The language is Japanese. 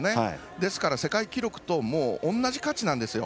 ですから、世界記録と同じ価値なんですよ。